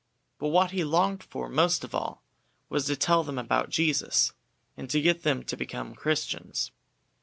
But what he longed for most of all was to tell them about Jesus, and to get them to become Christians.